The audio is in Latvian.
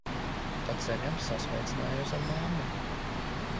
Pa ceļam sasveicinājos ar mammu.